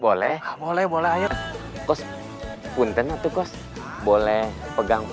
boleh boleh boleh boleh kan sob